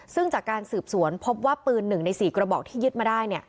ซึ่งจากการสืบสวนพบว่าปืน๑ใน๔กระบอกที่ยึดมาได้